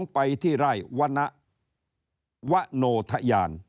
๒ไปที่ร่ายวะนะวะโนทะยาน